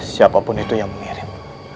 siapapun itu yang mengirim